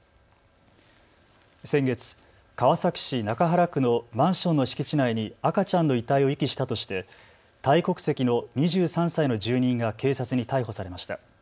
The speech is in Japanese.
先月、川崎市中原区のマンションの敷地内に赤ちゃんの遺体を遺棄したとしてタイ国籍の２３歳の住人が警察に逮捕されました。